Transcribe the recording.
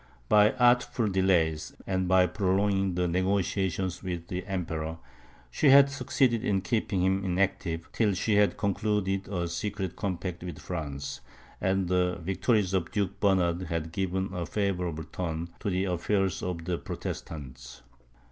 By artful delays, and by prolonging the negociations with the Emperor, she had succeeded in keeping him inactive, till she had concluded a secret compact with France, and the victories of Duke Bernard had given a favourable turn to the affairs of the Protestants.